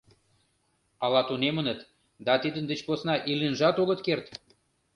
Ала тунемыныт, да тидын деч посна иленжат огыт керт.